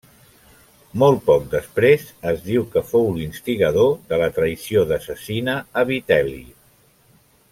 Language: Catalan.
Molt poc després es diu que fou l'instigador de la traïció de Cecina a Vitel·li.